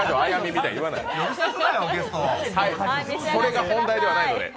これが本題ではないので。